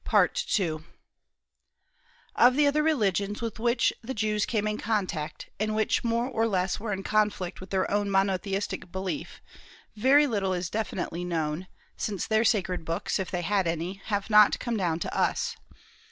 Of the other religions with which the Jews came in contact, and which more or less were in conflict with their own monotheistic belief, very little is definitely known, since their sacred books, if they had any, have not come down to us.